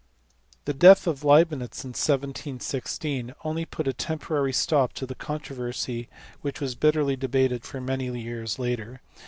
The death of Leibnitz in 1716 only put a temporary stop to the controversy which was bitterly debated for many years later.